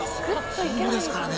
ヒールですからね。